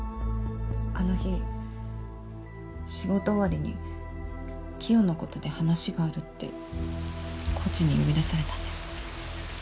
あの日仕事終わりにキヨのことで話があるってコーチに呼び出されたんです。